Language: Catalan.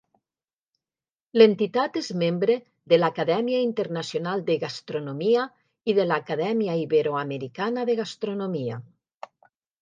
L'entitat és membre de l'Acadèmia Internacional de Gastronomia i de l'Acadèmia Iberoamericana de Gastronomia.